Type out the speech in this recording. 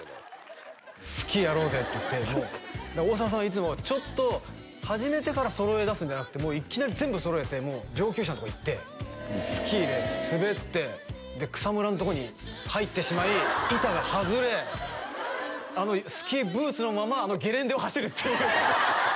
スキーやろうぜって言って、大沢さんはいつもちょっと始めてから、そろえ出すんじゃなくてもういきなり全部そろえて上級者のところに行ってスキーで滑って、草むらのところに入ってしまい板が外れ、スキーブーツのまま、ゲレンデを走るっていう。